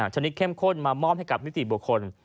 ชนิดเข้มข้นมอบให้กับมิติบวกคน